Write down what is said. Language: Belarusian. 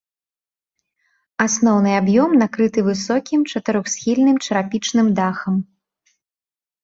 Асноўны аб'ём накрыты высокім чатырохсхільным чарапічным дахам.